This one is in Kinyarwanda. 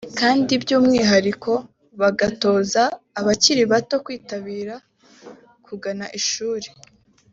kandi by’umwihariko bagatoza abakiri bato kwitabira kugana ishuri